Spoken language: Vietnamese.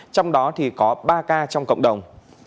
trong đó thì có ba ca trong cộng đồng